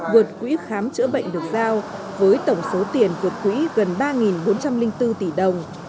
vượt quỹ khám chữa bệnh được giao với tổng số tiền vượt quỹ gần ba bốn trăm linh bốn tỷ đồng